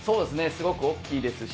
すごく大きいですし。